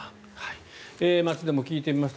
街でも聞いてみました。